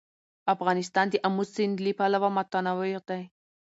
افغانستان د آمو سیند له پلوه متنوع دی.